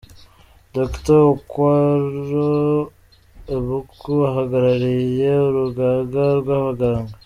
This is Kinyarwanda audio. Dr Okwaro Ebuku ahagarariye urugaga rw’abaganga.